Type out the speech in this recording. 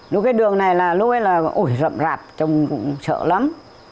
lúc đấy là rậm rạp trông cũng sợ lắm